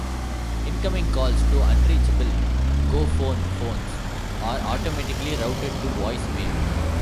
Incoming calls to unreachable GoPhone phones are automatically routed to voice mail.